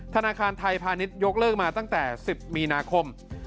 ธนาคารไทยพาณิชยกเลิกมาตั้งแต่๑๐มีนาคม